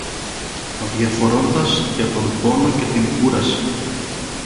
αδιαφορώντας για τον πόνο και την κούραση.